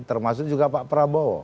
termasuk juga pak prabowo